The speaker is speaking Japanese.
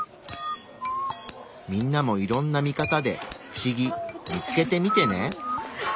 みんなもいろんな見方で不思議見つけてみてね。